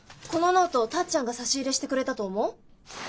このノートタッちゃんが差し入れしてくれたと思う？